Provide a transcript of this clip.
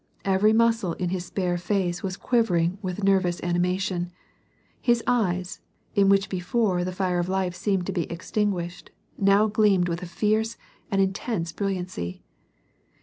Every muscle in his spare face was quivering with nervous animation ; his eyes, in which before the fire of life seemed to be extinguished, now gleamed with a fierce and intense brilliancy.